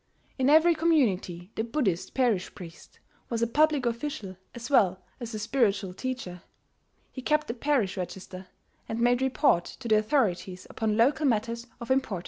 In every community the Buddhist parish priest was a public official as well as a spiritual teacher: he kept the parish register, and made report to the authorities upon local matters of importance.